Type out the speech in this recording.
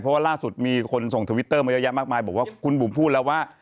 เพราะว่าล่าสุดมีคนส่งทวิตเตอร์มาเยอะแยะมากมายบอกว่าคุณบุ๋มพูดแล้วว่า